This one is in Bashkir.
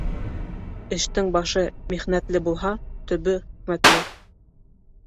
Эштең башы михнәтле булһа, төбө хикмәтле